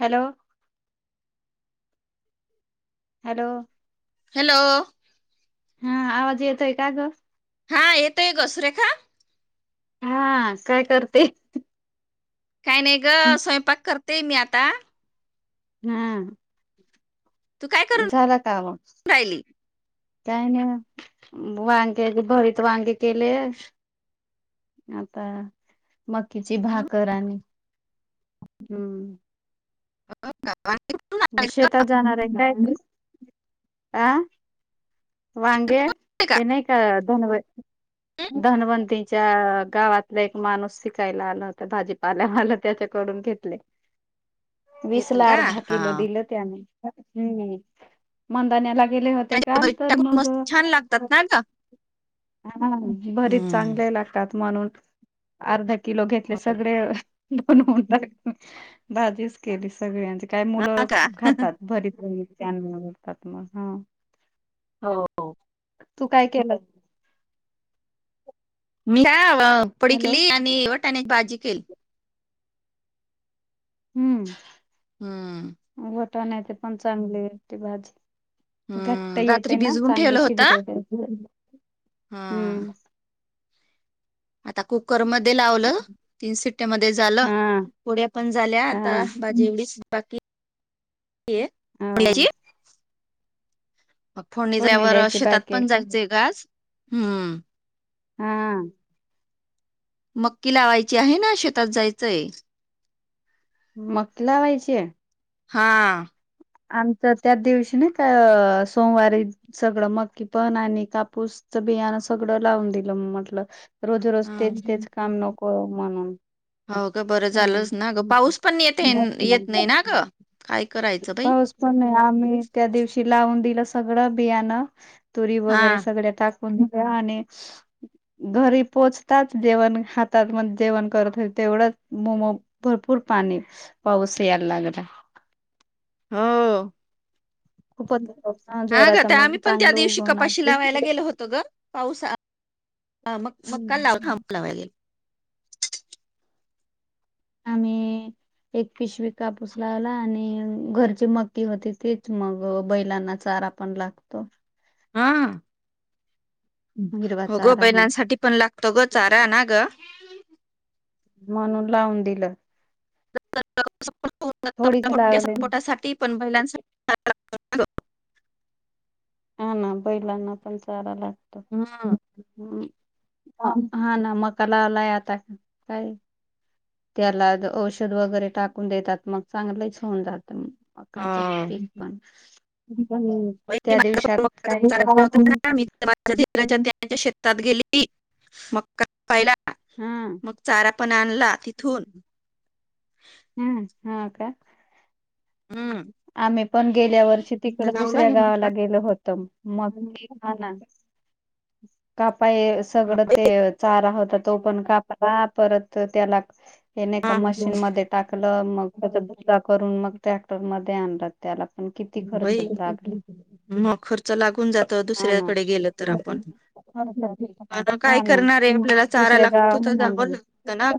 Hello. Hello. Hello. हा. आवाज येतोय का ग? हा येेतोय ग सुरेखा. हा काय करते? काही नाही ग स्वयंपाक करतेय मी आता. हा तू काय करून झाला का मग? राहिली काय नाही वांग्याचं भरीत वांग केलय आता मकीची हं, भाकर आणि हम. गावाने कुठून म्हणलं आले ग? शेतात जाणार आहे काय. आ वांग ते नाही का धन हं, धनवंती. च्या गावातला एक माणूस विकायला आला होता भाजीपालावाला त्याच्याकडून घेतलय [unintelligible] घेतलं वीसला का अर्धा किलो हा दिल त्याने हम मदाण्याला [inaudible] दिले होते त्याच्या काल भरीत तर टाकून मग. मस्त छान लागतात ना ग हाना भरीत चांगल चागलं हम्म लागतात म्हणून अर्धा किलो घेतले सगळे दोन होतात भाजीच केली सगळ्यांची काय हा मुलं का खूप खातात भरीतं चागलं बनवतात मग हा. हो हो. तू काय केलंस? मी का अ पुडी हॅलो केली आणि वाटण्याची भाजी केली. हम. हम वाटण्याची पण चांगली होते भाजी. घट्ट हम्म रात्री येते ना भिजवून चांगलं ठेवलं होतं शिजलं तर हा. आता कुकर मध्ये लावलं तीन सिट्ट्या मध्ये झालं. हा पूड्या पण झाल्या आता हा भाजी एवढीच बाकीय हो पुड्याची. मग फोडी जाय फोडणी वर द्यायची शेतात बाकी आहे पण का जायचय ग आज हम. हा हा मक्की लावायची आहे ना शेतात जायचंय. मक लावायचीय. हां. आमचं त्याच दिवशी नाई काऽ सोमवारी. सगळं मकी पण आणि कापूसच बियाणं सगळं लावून दिलं म्हटलं, रोज-रोज, तेच -तेच, काम नको म्हणून. हाव ग बरं का नाही झालंच ना ग, पाऊस पण येत, येत नाही ना ग? काय. करायचं बाई पाऊस पण नाही आम्हीऽ त्या दिवशी लावून दिलं सगळं बियाणं, तुरी हा वगैरे सगळ्या टाक मक आणि घरी पोचताच जेवण हातात म जेवण करत होते तेवढंच, मोमो भरपूर पाणी, पाऊस यायला लागला. हो. खूपच पाऊस. हा गं तर आम्ही पण त्या दिवशी, कपाशी लावायला गेलो होतो ग पावसात. हा मग, मग काल लाव हम्म. थांब लावाय गेले. आम्हीं... एक पिशवी कापूस लावला आणि घरची मक्की होते तेच मग बैलांना चारा पण लागतो. हा हिरवा हो गं चारा मग बैलांसाठी पण लागतो, ना ग चारा ना ग. म्हणून लावून दिलं. थोडीच [unintelligible] लावले पोटासाठी पण बैलांसाठी. हा ना बैलांना पण चारा लागतो. हा... हं.. हा, ना. मका लावलाय आता काय. त्याला औषध वगैरे टाकून देतात, मग चांगलेच होऊन जातं मग. मकाचं हा, पीक पण त्या दिवशी [unintelligible] मी त्यांच्या शेतात गेली, मग क काहिला हा मग चारा पण आणला तिथून. हं हो, का. ह... आम्ही पण गेल्या वर्षी तिकडं दुसऱ्या हे गावाला मक्का गेलो होत तो मग मी घाणार कापाय सगळं ते चारा होता तो पण कापला, परत त्याला हे नाही का मशीन मध्ये टाकलं मग त्या त्याचा भुगाम करून मग ट्रॅक्टर मध्ये आणल. त्याला पण किती खर्च होय लागला, मग खर्च लागून जातो हा, ना. दुसऱ्याकडे ठी गेलं तर आपण [unintelligible] पण काय हा, ना. करणार आहे आपल्याला चारा दुसऱ्या लागतो तर गावाहून जावं आणलं. लागतं ना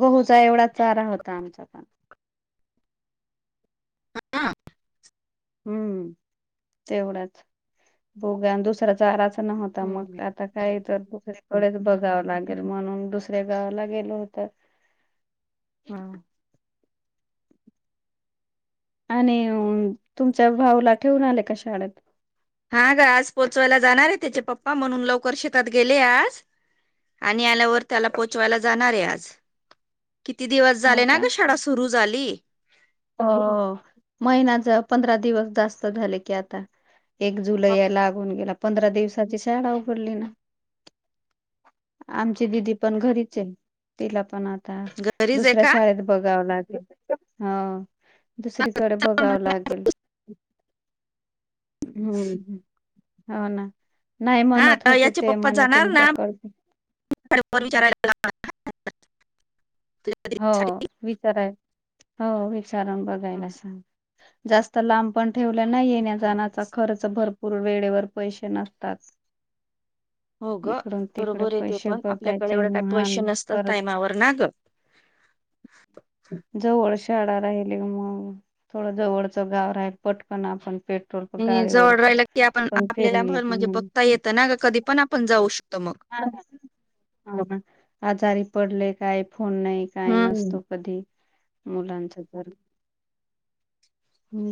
गहुचा एवढाच चारा होता आमचा पण अआ.. हं.. तेवढाच बघुया दुसरा चाराच न होत. आता मग, आता काही तर दुसरीकडेच बघावं लागेल, म्हणून दुसऱ्या गावाला गेलो होतं. हा आणि तुमच्या भाऊला ठेवून आले का शाळेत? हा ग आज पोचवायला जाणार आहे त्याचे पप्पा, म्हणून लवकर शेतात गेले आज. आणि आल्यावर त्याला पोचवायला जाणार आहे आज. किती दिवस हो झाले ना का ग शाळा सुरु झाली. हो महिनाचं पंधरा दिवस जास्त झाले की आता. एक जुलै या लागून गेला पंधरा दिवसाची शाळा उघडली ना. आमची दिदी पण घरीचय तिला पण आ आता घरीच आहे दुसऱ्या का शाळेत बघाव लागेल हा. दुसरीकडे चल मग बघावं लागेल हम्म हम्म. हो ना नाही हा म्हणत आता होते याचे ते पप्पा म्हणे जाणार तुमच्या ना कडचे. [inaudible] हो विचाराय हो विचारून बघायला सांग जास्त तर लांब पण ठेवल्या नाही येण्या जाण्याचा खर्च भरपूर वेळेवर पैसे नसतात. हो ग इकडून तिकडे बरोबर आहे ते पैसे बघायचे महान परत आवर ना ग. जवळ शाळा राहिली मग थोडं जवळचं गाव राहिल पटपण आपण पेट आणि जवळ राहिल की आपण आपल्याला फिरून भर येत म्हणजे बघता म्हणून येतं ना का कधी पण आपण जाऊ शकतो मग. हा हा आजारी पडले काय फोन नाही काय हम्म. नसतो. कधी मुलांच घर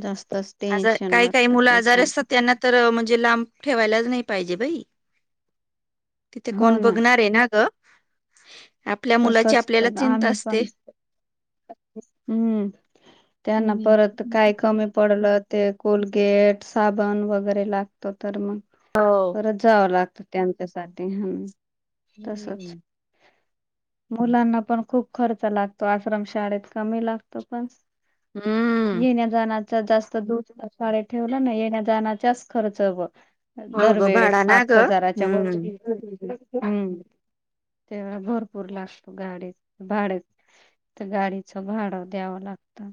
जास्तच आजार टेन्शन काही काही वाटत मुलं ते आजारी पण. असतात त्यांना तर म्हणजे लांब ठेवायलाच नाही पाहिजे बाई. तिथे कोण बघणारय ना गं. आपल्या मुलाची तसच आपल्याला तर चिंता आम्ही पण असते. हम्म त्यांना हम्म. परत काय कमी पडलं ते कोलगेट साबण वगैरे लागतो तर मग हो. परत जावं लागतं त्यांच्यासाठी हम्म तसच. हम्म मुलांना पण खूप खर्च लागतो आश्रम शाळेत कमी लागतो का. येण्या जाण्यात जास्त दूध शाळे ठेवलं ना येण्या जाण्याचाच खर्च ग. हो ग भाडा दरवेेळेस ना पाच ग हजाराच्या वर हम्म. हम् ते व भरपूर लागतो गाडी भाड्या ते गाडीच भाड द्यावं लागतं.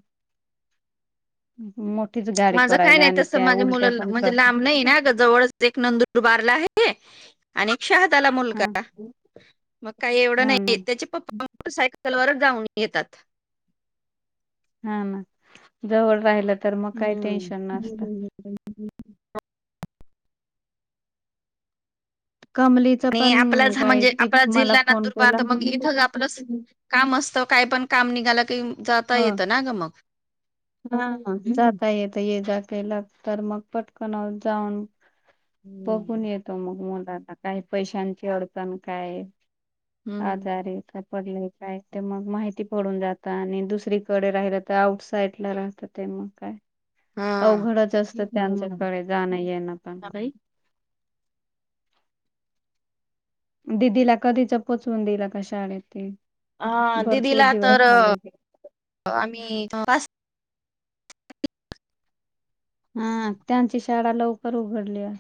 मग. माझं काय नाही तसं माझे मुला कर म्हणजे लांब नाही ना जवळ एक नंदूरबारला आहे. अने शहाद आला हा मुलगा मग काही एवढं हा ना नाही त्याचे पप्पा मोटरसायकल वरच जाऊन येतात. हा ना जवळ राहिलं तर मग काही टेन्शन नसत. ह कमली आणि आपलाच हा म्हणजे आपला जिल्हा नंदुरबार केला तर मग इथं आपलं काम असतं काय पण काम निघाला की जाता हो येतं ना ग मग हा जाता येत ये जा केला तर मग पटकन जाऊन. बघून हम्म. येतो मग मुलाना काही पैशांची अडचण काय हम्म आजारी आहे का. पडल काय ते मग माहिती पडून जात आणि दुसरीकडे राहिलं तर आउट साईड साईटला राहत ते मग काय हा. अवघडच असतं त्यांच्याकडे जाणं ये ना पण. बाई. दिदीला कधीच पोचवून दिलं. आता शाळेत ती. हा दिदीला तर, आम्ही पास हा, त्यांची शाळा लवकर उघडल्या.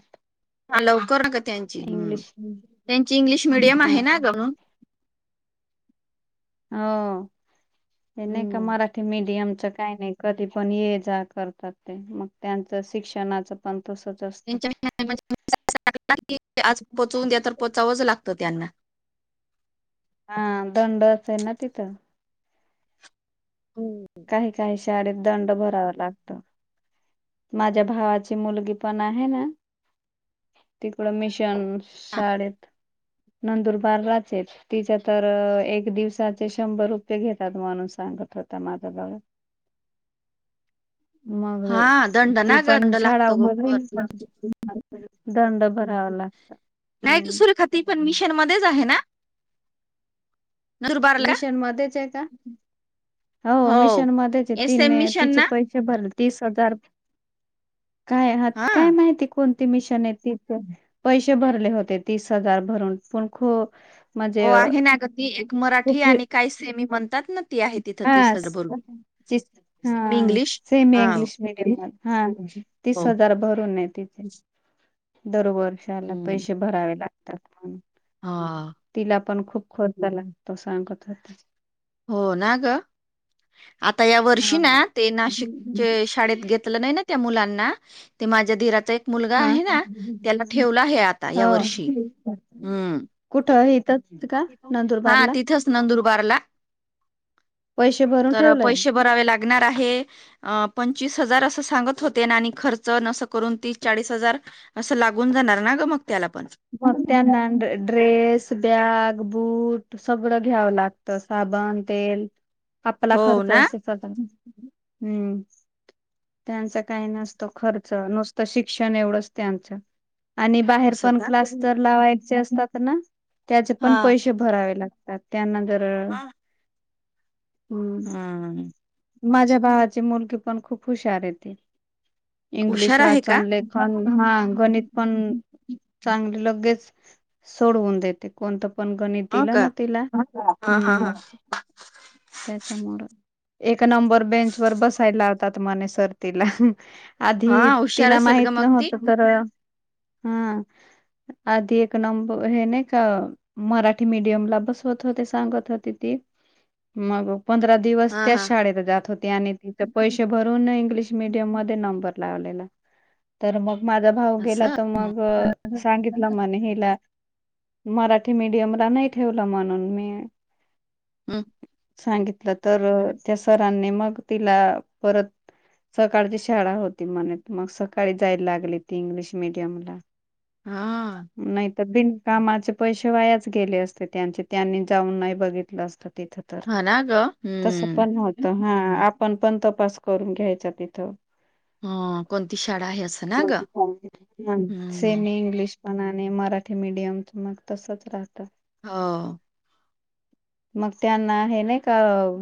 हा लवकर का त्यांची, त्यांची इंग्लिश मिडियम ह आहे ना ग, म्हणून. हो, ते नाही का हम्म. मारा ते मीडियमच काही नाही. कधी पण ये जा करतात ते, मग त्यांचं शिक्षणाच. पण तसचं असतं म्हणज आज पोचवून द्या तर पोचावंच लागत त्यांना. हा, दंड असेल ना तिथं हम्म. काही-काही शाळेत दंड भरावा लागत. त, माझ्या भावाची मुलगी पण आहे ना तिकडं मिशन शाळेत, नंदुरबार राहतेत. तिच तर, एक दिवसाचे शंभर रुपये घेतात म्हणून सांगत होता म गत. मग हा दंड ती ना ग पण दंड शाळा लागतो उमरली गोबर प दंड भरावा लागत. हम्म. ती पण मिशन मध्येच आहे ना? नंदुरबारला मिशन मध्येच आहे का? हो मिशन मध्येच आहे एस तीन एम मिशन तिचे ना पै भरलेत. तीस हजार काय हात हा काय माहिती कोण मिशन आहेत ती पण, पैसे भरले होते. तीस हजार भरून पण ख. हो आहे ना ग ती एक मराठी आणि काही सेमी म्हणतात ना, ती आहे तिथं हा तीस भरून. हा, सेम हा इंग्लीश मिडयम हा. तीस हो हजार भरून आहे तिथे. दरवर्षाला हम्म. पैसे भरावे लागतात. पण. हा. तिला पण खूप खोतजा लागतो सांगत होते. हो ना ग, आता या वर्षी हा ना ते नाशिकचे शाळेत घेत लं नाही त्या मुलांना, ते माझ्या धीराचे मुलगा हा आहे ना, त्याला ठेवला आहे. आता हो या वर्षी, हम्म. कुठं इथंच का हा नंदुरबारला तिथेच नंदुरबारला. पैसे भर तर पैसे भरावे लागणार आहे. अ पंचवीस हजार असं सांगत होते ना, आणि खर्च नसं करून तीस, चाळीस हजार असं लागून जाणार ना ग मग त्याला पण. मग त्यांना ड्रेस, बॅग, बूट सगळं घ्यावं लागत. साबण, तेल आपला हो खर्च ना अस चा त्यांना, हम्म. त्यांच काही नसतो खर्च, नुसतं शिक्षण एवढंच त्यांचं. आणि बाहेर असं पण का क्लास तर लावायचे असतात ना. त्याचे पण हा पैसे भरावे लागतात. त्यांना जर, हम्म. हम्म माझ्या भावाची मुलगी पण खूप हुशार आहे ती. इंग्लिश हुशार आहे का वाचन लेखन, हा गणित पण चांगले लगेच, सोडवून देत. ते कोणतं पण गणित हो दिलं ना का तिला हा हा हम्म. हा त्याच्या मुळे. एक नंबर बेंच वर बसायला लावतात मने सर तीला. हा आधी हुशार तिला असेल ग माहित मग ती नव्हत तर ह. आधी एक नंब हे नाही का. मराठी मडियम ला बसवत होते सांगत होती ती मग पंधरा. दिवस हा त्याच हा शाळेत जात होती आणि तिथे पैसे भरून इंग्लिश मिडियम मध्ये नंबर लावलेला. तर मग माझा भाऊ गेला असं तर मग सांगितलं म्हणे हिला. मराठी मीडियमला नाही ठेवलं म्हणून मी. हम्म सांगितलं तर त्या सरांनी मग तिला परत. सकाळची शाळा होती म्हणे मग सकाळी जायला लागली ती इंग्लिश मिडियमला. हा. नाही तर बिनकामाचे पैसे वायाच गेले असते त्यांचे त्यांनी जाऊन नाही बघितलं असतं तिथं. तर हा ना ग तस हम्म पण होत हा आपण पण तपास करून घ्यायचा तिथं. ह कोणती शाळा आहे असं ना ग कोणती हम्म सेमी. इंग्लिश पण आणि मराठी मिडियम मग तसच राहतं. हा. मग त्यांना हे नाही का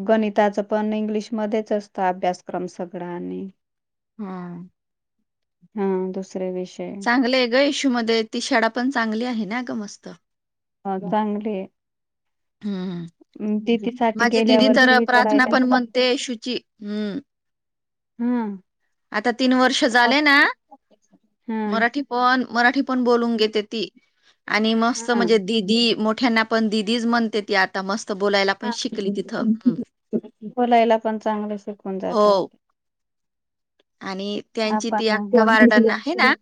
गणिताच पण इंग्लिश मध्येच असत. तो अभ्यासक्रम सगळा आणि. हा. ह दुसरे विषय. चांगलं ग इशू मध्ये ती शाळा पण चांगली आहे ना गं मस्त. ह चांगली आहे. हम्म ह. अह ती तेथ. माझी दिदी तर प्रार्थना पण म्हणते शुची हम्म. हम्म. आता तीन वर्ष झाले ना हा मराठी. पण मराठी पण बोलून घेते ती आणि मस्त म्हणजे दीदी मो ठ्यांना पण दिदीच म्हणते ती आत आता मस्त बोलायला पण हा शिकली तिथं ह, बोलायला पण चांगले शिकून जातात. हो. आणि. त्यांची ती आपण आक्का वारडना आहे ना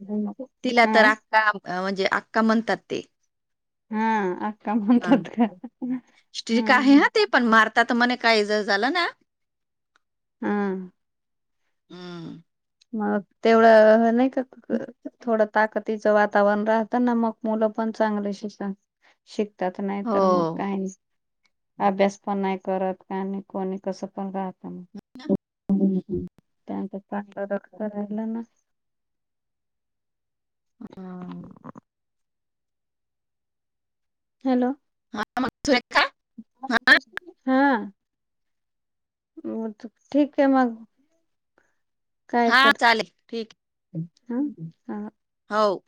तिला हा तर आक्का म्हणजे आक्का म्हणतात ते. हा अक्का हं. म्हणतात का? स्ट्रिक हम. आहे हा ते पण मारतात मणे काही जर झालं ना. हा. हम्म. मग तेवढं नाही करत. थोडं ताकतीचं वातावरण राहत ना मग मुलं पण चांगलं शिकण, शिक तात नाही तर मग काय नाही. अभ्यास पण नाही करत काय आणि कोणी कसं पण राहत मग. [unintelligible] त्यांचा चांगलं लक्ष राहिलं ना. हम. हॅलो. [inaudible] म ठीक आहे मग, काय हा, तर चालेल [unintelligible] हाव.